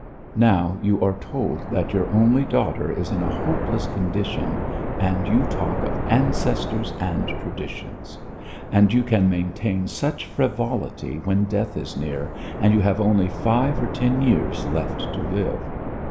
Now you are told that your only daughter is in a hopeless condition and you talk of ancestors and traditions!... And you can maintain such frivolity when death is near and you have only five or ten years left to live!"